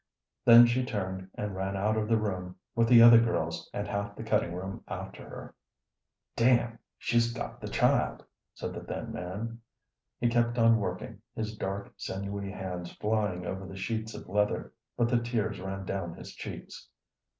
Then she turned and ran out of the room, with the other girls and half the cutting room after her. "Damn it, she's got the child!" said the thin man. He kept on working, his dark, sinewy hands flying over the sheets of leather, but the tears ran down his cheeks.